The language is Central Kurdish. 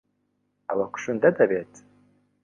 ئەوە کوشندە دەبێت.